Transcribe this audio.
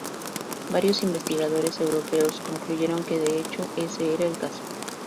Varios investigadores europeos concluyeron que de hecho ese era el caso.